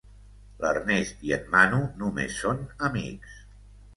L'Ernest i en Manu només són amics.